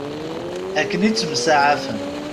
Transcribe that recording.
Akken i ttemsaɛafen.